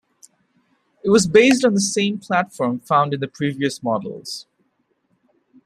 It was based on the same platform found in the previous models.